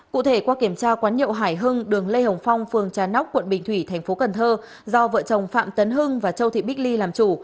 cụ thể qua kiểm tra quán nhậu hải hưng đường lê hồng phong phường trà nóc quận bình thủy tp cn do vợ chồng phạm tấn hưng và châu thị bích ly làm chủ